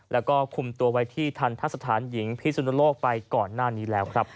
แล้วก็คุมตัวไว้ที่ทันทะสถานหญิงพิสุนโลกไปก่อนหน้านี้แล้วครับ